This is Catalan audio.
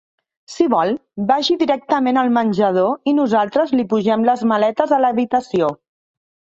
Si vol, vagi directament al menjador i nosaltres li pugem les maletes a l'habitació.